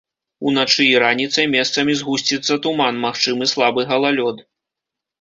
Уначы і раніцай месцамі згусціцца туман, магчымы слабы галалёд.